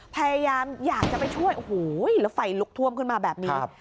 พยายามอยากจะไปช่วยโอ้โหแล้วไฟลุกท่วมขึ้นมาแบบนี้